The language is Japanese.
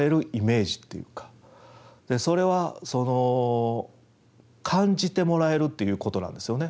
それはその感じてもらえるっていうことなんですよね。